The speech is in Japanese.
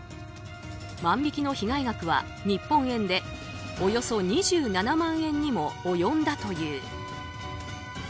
万引きの被害額は日本円でおよそ２７万円にも及んだという。